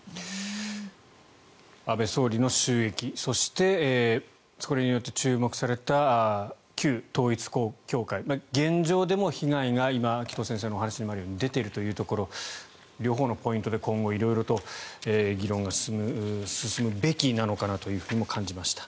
安倍総理の襲撃そして、それによって注目された旧統一教会現状でも被害が今紀藤先生のお話にもあるように出ているというところ両方のポイントで今後、色々と議論が進むべきなのかなとも感じました。